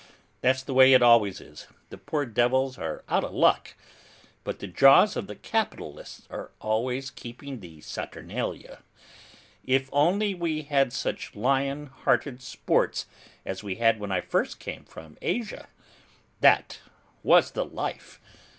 That's the way it always is, the poor devils are out of luck, but the jaws of the capitalists are always keeping the Saturnalia. If only we had such lion hearted sports as we had when I first came from Asia! That was the life!